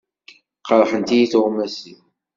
Qerḥent-iyi tuɣmas-iw.